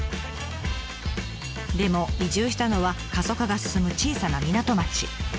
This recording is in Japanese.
でも移住したのは過疎化が進む小さな港町。